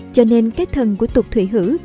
cho nên cái thần của tục thủy hữ